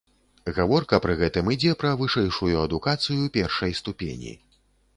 Гаворка пры гэтым ідзе пра вышэйшую адукацыю першай ступені.